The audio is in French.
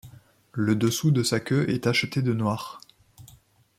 Le dessous de sa queue est tacheté de noir.